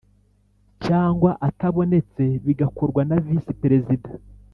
cyangwa atabonetse bigakorwa na VisiPerezida